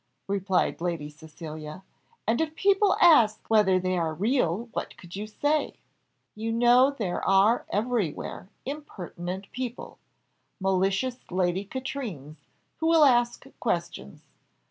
replied Lady Cecilia. "And if people ask whether they are real, what could you say? You know there are everywhere impertinent people; malicious Lady Katrines, who will ask questions.